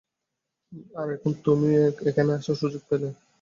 আর এখন তুমিও এখানে আসার সুযোগ পেলে।